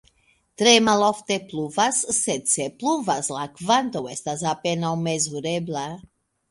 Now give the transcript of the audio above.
Tre malofte pluvas, sed se pluvas, la kvanto estas apenaŭ mezurebla.